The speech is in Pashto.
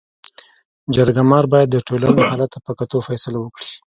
جرګه مار باید د ټولني حالت ته په کتو فيصله وکړي.